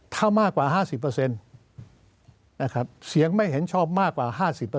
ถ้ามากกว่า๕๐นะครับเสียงไม่เห็นชอบมากกว่า๕๐